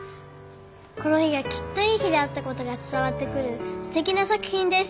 この日がきっといい日であったことが伝わってくるすてきな作品です」。